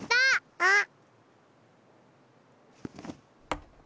あっ！